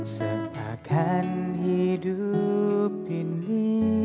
sepakan hidup ini